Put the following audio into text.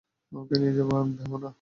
ওকে নিয়ে ভেবো না।